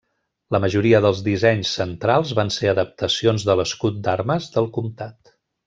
La majoria dels dissenys centrals van ser adaptacions de l'escut d'armes del comtat.